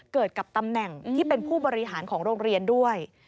เกิดกับตำแหน่งที่เป็นผู้บริหารของโรงเรียนด้วย